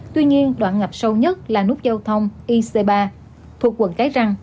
tuy nhiên đoạn ngập sâu nhất là nút giao thông ic ba thuộc quận cái răng